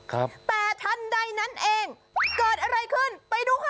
ครับแต่ทันใดนั้นเองเกิดอะไรขึ้นไปดูค่ะ